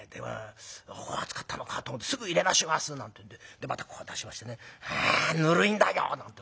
熱かったのかと思って「すぐいれ直します」なんてんでまたこう出しましてね「あぬるいんだよ！」。